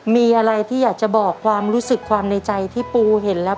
มีอะไรที่อยากจะบอกความรู้สึกความในใจที่ปูเห็นแล้ว